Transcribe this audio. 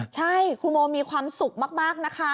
ใช่คุณโมมีความสุขมากนะคะ